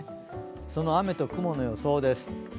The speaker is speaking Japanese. その雨と雲の予想です。